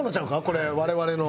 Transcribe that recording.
これ我々の。